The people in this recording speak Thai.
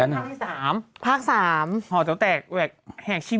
เป็นการกระตุ้นการไหลเวียนของเลือด